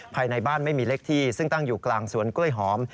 ภายในบ้านไม่มีเลขที่ซึ่งตั้งอยู่กลางสวนกล้วยหอม